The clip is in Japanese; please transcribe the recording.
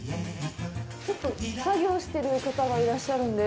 ちょっと作業してる方がいらっしゃるので。